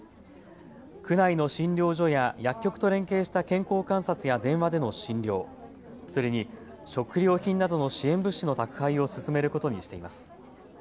区内の診療所や薬局と連携した健康観察や電話での診療、それに食料品などの支援物資の宅配を進めることにしています。